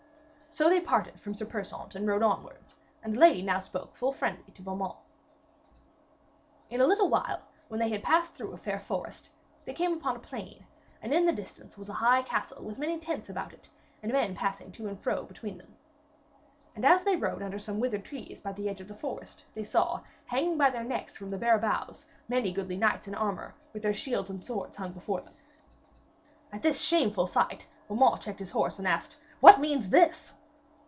So they parted from Sir Persaunt and rode onwards, and the lady spoke now full friendly to Beaumains. In a little while, when they had passed through a fair forest, they came upon a plain, and in the distance was a high castle with many tents about it, and men passing to and fro between them. And as they rode under some withered trees by the edge of the forest, they saw, hanging by their necks from the bare boughs, many goodly knights in armour, with their shields and swords hung before them. At this shameful sight Beaumains checked his horse and asked: 'What means this?'